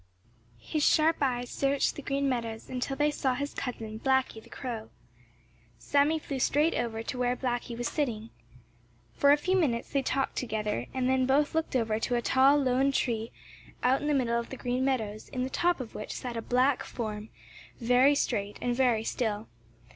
His sharp eyes searched the Green Meadows until they saw his cousin, Blacky the Crow. Sammy flew straight over to where Blacky was sitting. For a few minutes they talked together, and then both looked over to a tall, lone tree out in the middle of the Green Meadows, in the top of which sat a black form very straight and very still.